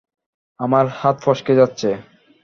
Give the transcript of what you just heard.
আমার হাত ফসকে যাচ্ছে!